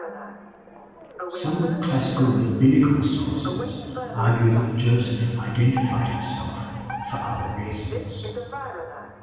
Some classical rabbinical sources argue that Joseph identified himself for other reasons.